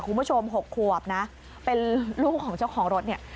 คุณผู้ชม๖ขวบนะเป็นลูกของเจ้าของรถเนี่ย